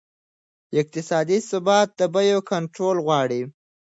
اقتصادي ثبات د بیو کنټرول غواړي.